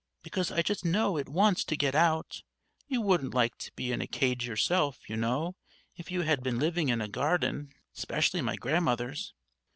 Because I just know it wants to get out. You wouldn't like to be in a cage yourself, you know, if you had been living in a garden, 'specially my Grandmother's."